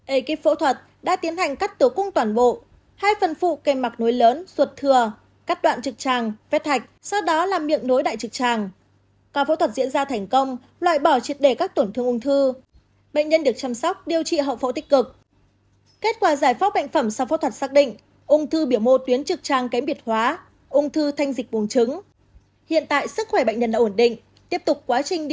ekip phẫu thuật đã tiến hành cắt tử cung toàn bộ hai phần phụ kề mạc nối lớn suột thừa cắt đoạn trực tràng vét hạch sau đó làm miệng nối đại trực tràng